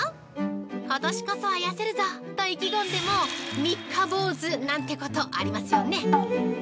ことしこそは痩せるぞと意気込んでも、三日坊主なんてことありますよね。